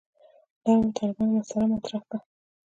نرمو طالبانو مسأله مطرح کړه.